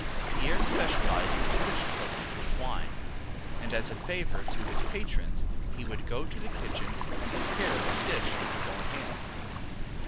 Pierre specialized in fish cooked with wine, and as a favor to his patrons he would go to the kitchen and prepare the dish with his own hands.